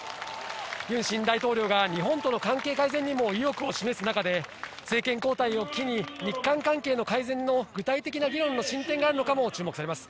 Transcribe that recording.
ユン新大統領が日本との関係改善にも意欲を示す中で、政権交代を機に日韓関係の改善の具体的な議論の進展があるのかも注目されます。